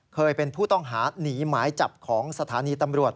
เคยเป็นผู้ต้องหาหนีหมายจับของสถานีตำรวจ